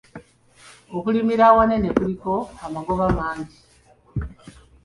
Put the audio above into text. Okulimira awanene kuliko amagoba mangi.